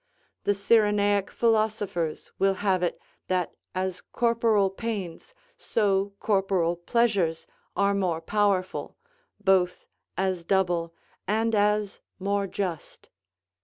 The Cyrenaic philosophers will have it that as corporal pains, so corporal pleasures are more powerful, both as double and as more just.